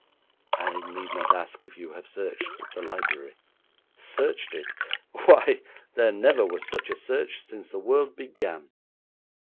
'I need not ask if you have searched the library?' 'Searched it? Why, there never was such a search since the world began!'